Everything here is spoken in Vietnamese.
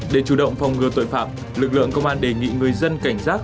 để chủ động phòng ngừa tội phạm lực lượng công an đề nghị người dân cảnh giác